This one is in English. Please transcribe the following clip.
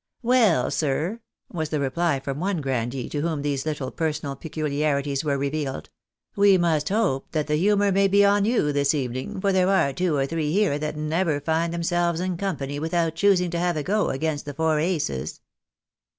" Well, sir," was the reply from one grandee to whom these little personal peculiarities were revealed, " we must hope that the humour may be on you this evening, for there are two or three here that never find themselves in company withou.t choosing to have a go against the four aces."